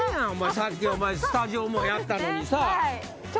さっきスタジオもやったのにさ。